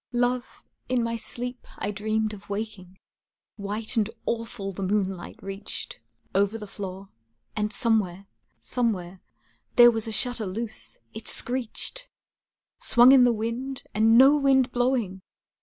Love, in my sleep I dreamed of waking, White and awful the moonlight reached Over the floor, and somewhere, somewhere, There was a shutter loose, it screeched! Swung in the wind, and no wind blowing!